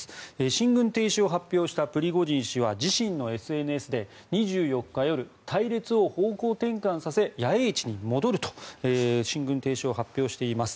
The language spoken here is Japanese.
進軍停止を発表したプリゴジン氏は、自身のＳＮＳで２４日夜、隊列を方向転換させ野営地に戻ると進軍停止を発表しています。